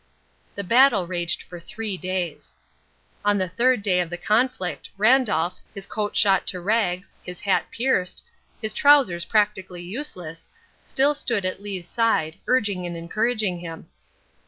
The battle raged for three days. On the third day of the conflict, Randolph, his coat shot to rags, his hat pierced, his trousers practically useless, still stood at Lee's side, urging and encouraging him.